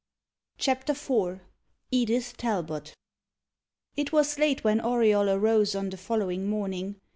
CHAPTER IV EDITH TALBOT It was late when Auriol arose on the following morning.